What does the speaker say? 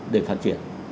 để phát triển